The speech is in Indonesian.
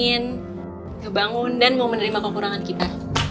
yang bangun dan mau menerima kekurangan kita